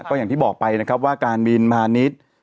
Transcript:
ก็อย่างที่บอกไปนะครับว่าการบินพาณิชย์